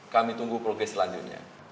kami tunggu progres selanjutnya